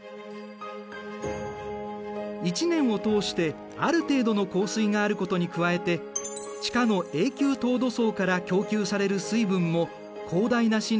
一年を通してある程度の降水があることに加えて地下の永久凍土層から供給される水分も広大な森林を支えている。